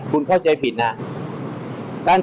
คุณเข้าใจผิดนะ